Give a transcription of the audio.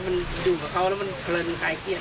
มันอยู่กับเขาแล้วมันกลลิ้นกลายเปรียน